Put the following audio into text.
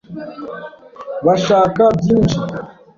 Bashaka byinshi.